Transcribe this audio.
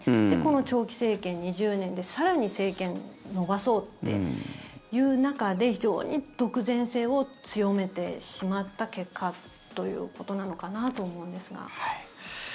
で、この長期政権２０年で更に政権を延ばそうという中で非常に独善性を強めてしまった結果ということなのかなと思うんですが。